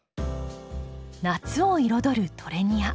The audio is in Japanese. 夏を彩るトレニア。